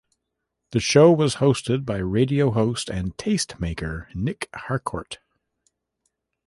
The show was hosted by radio host and taste maker, Nic Harcourt.